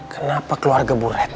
kenapa keluarga bu red